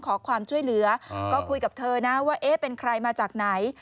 ขอความช่วยเหลือก็คุยกับเธอนะว่าเอ๊ะเป็นใครมาจากไหน